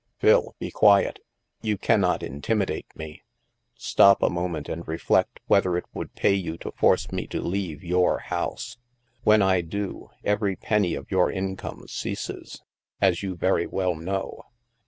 " Phil, be quiet. You cannot intimidate me. Stop a moment and reflect whether it would pay you to force me to leave * your ' house. When I do, every penny of your income ceases, as you very well know.